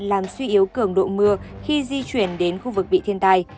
làm suy yếu cường độ mưa khi di chuyển đến khu vực bị thiên tai